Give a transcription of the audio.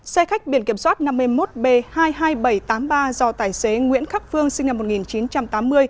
xe khách biển kiểm soát năm mươi một b hai mươi hai nghìn bảy trăm tám mươi ba do tài xế nguyễn khắc phương sinh năm một nghìn chín trăm tám mươi